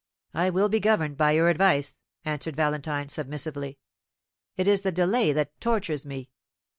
"I will be governed by your advice," answered Valentine, submissively. "It is the delay that tortures me."